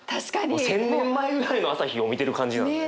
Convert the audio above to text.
１，０００年前ぐらいの朝日を見てる感じなのね。